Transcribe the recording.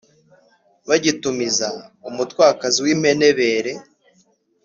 Bagatumiz umutwákazi w ímpenébeere